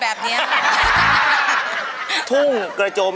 สวัสดีครับ